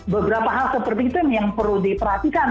beberapa hal seperti itu yang perlu diperhatikan